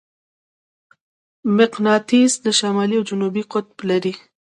مقناطیس شمالي او جنوبي قطب لري.